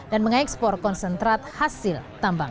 dan mengekspor konsentrat hasil tambang